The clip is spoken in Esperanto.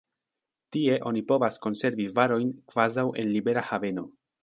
Tie oni povas konservi varojn kvazaŭ en libera haveno.